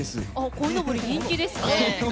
こいのぼり、人気ですね。